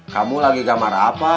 kamu lagi gamar apa